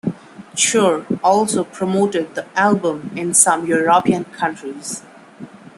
Cher also promoted the album in some European countries.